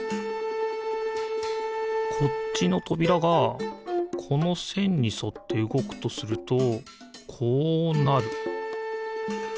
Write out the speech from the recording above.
こっちのとびらがこのせんにそってうごくとするとこうなる。